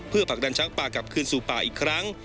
ผลักดันช้างป่ากลับคืนสู่ป่าอีกครั้ง